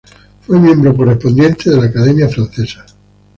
Fue miembro correspondiente de la Academia Francesa.